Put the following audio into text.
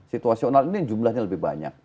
situasional ini yang jumlahnya lebih banyak